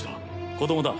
子供だ。